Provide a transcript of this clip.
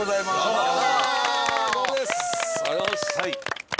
ありがとうございます。